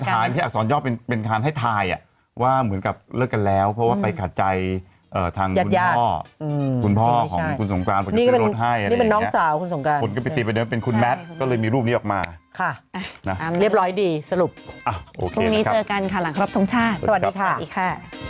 อักษรยอบเป็นทางให้ทายว่าเหมือนกับเลิกกันแล้วเพราะว่าไปขาดใจทางคุณพ่อคุณพ่อของคุณสงการปลอดภัยให้อะไรอย่างนี้คนก็ไปตีไปเดินว่าเป็นคุณแมทก็เลยมีรูปนี้ออกมาค่ะเรียบร้อยดีสรุปพรุ่งนี้เจอกันหลังครอบทรงชาติสวัสดีค่ะสวัสดีค่ะ